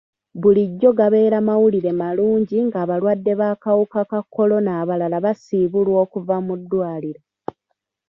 Bulijjo gabeera mawulire malungi ng'abalwadde b'akawuka ka kolona abalala basiibulwa okuva mu ddwaliro.